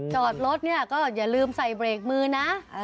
จอดรถเนี่ยก็อย่าลืมใส่เบรกมือนะ